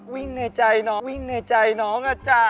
ในใจน้องวิ่งในใจน้องอ่ะจ้ะ